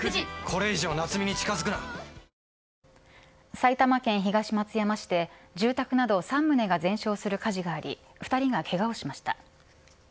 埼玉県東松山市で住宅など３棟が全焼する火事があり２人がけがをしました。